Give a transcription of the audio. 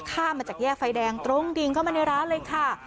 ข้ามมาจากแยกไฟแดงตรงดิ่งเข้ามาในร้านเลยค่ะ